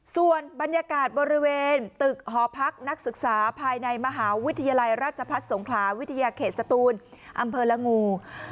ส่วนบรรยากาศบริเวณตึกหอพักนักศึกษาภายในมหาวิทยาลัยราชพัฒน์สงขลาวิทยาเขตสตูนอำเภอละงู